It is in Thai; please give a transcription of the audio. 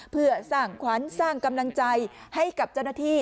เพื่อสร้างขวัญสร้างกำลังใจให้กับเจ้าหน้าที่